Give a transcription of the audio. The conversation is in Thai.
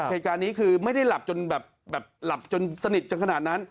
เหตุการณ์นี้คือไม่ได้หลับจนสนิทจนขนาดนั้น